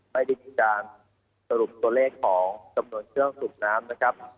ไม่ได้มีการสรุปตัวเลขของจำนวนเครื่องสูบน้ำนะครับ